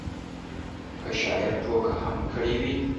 که شاعر ټوکه هم کړې وي.